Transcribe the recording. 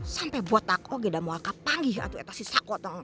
sampai buat aku tidak mau aku panggil atu atu si sakutang